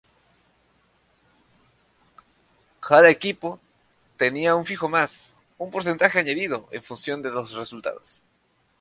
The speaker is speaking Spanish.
Cada equipo tenía un fijo más un porcentaje añadido en función de los resultados.